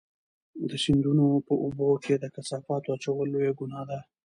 د سیندونو په اوبو کې د کثافاتو اچول لویه ګناه ده.